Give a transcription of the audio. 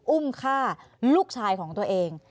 อุ้มฆ่าลูกชายของตัวเอง